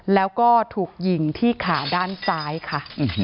แล้วก็ถูกยิงที่ขาด้านซ้ายค่ะ